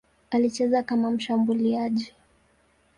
Alicheza kama mshambuliaji.